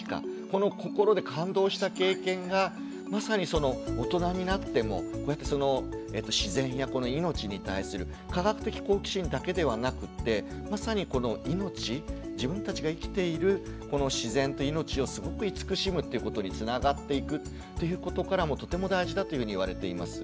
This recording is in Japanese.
この心で感動した経験がまさに大人になっても自然やいのちに対する科学的好奇心だけではなくってまさにこのいのち自分たちが生きている自然といのちをすごく慈しむっていうことにつながっていくっていうことからもとても大事だというふうにいわれています。